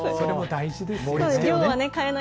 それも大事ですね。